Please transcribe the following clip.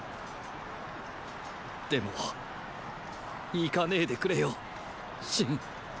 でも行かねェでくれよ信。